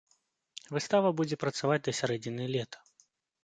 Выстава будзе працаваць да сярэдзіны лета.